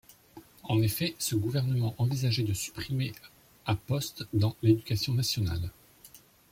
En effet, ce gouvernement envisageait de supprimer à postes dans l'Éducation nationale.